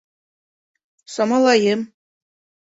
Самалайым.